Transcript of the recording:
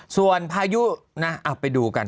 ส่วนพายุนะเอาไปดูกัน